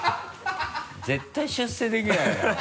絶対出世できないよ。